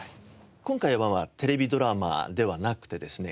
今回はテレビドラマではなくてですね